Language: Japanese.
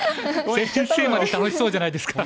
先生まで楽しそうじゃないですか。